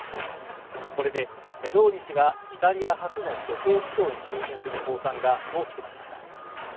これでメローニ氏がイタリア初の女性首相に就任する公算が大きくなりました